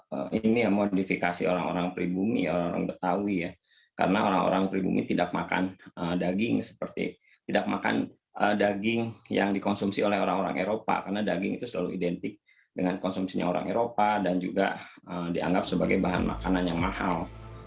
ini modifikasi orang orang pribumi orang orang betawi ya karena orang orang pribumi tidak makan daging seperti tidak makan daging yang dikonsumsi oleh orang orang eropa karena daging itu selalu identik dengan konsumsinya orang eropa dan juga dianggap sebagai bahan makanan yang mahal